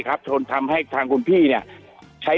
คุณติเล่าเรื่องนี้ให้ฮะ